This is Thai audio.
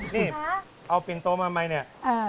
นี่เอาปิดโต้มาใหม่เนี่ย